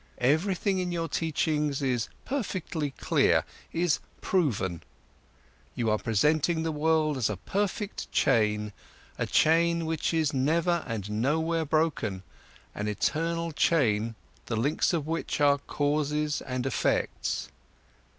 Everything in your teachings is perfectly clear, is proven; you are presenting the world as a perfect chain, a chain which is never and nowhere broken, an eternal chain the links of which are causes and effects.